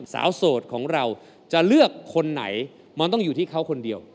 โสดของเราจะเลือกคนไหนมันต้องอยู่ที่เขาคนเดียว